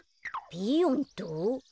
ピーヨンと？